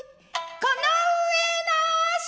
この上なし」。